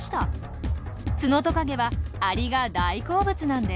ツノトカゲはアリが大好物なんです。